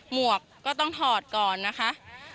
หวกก็ต้องถอดก่อนนะคะ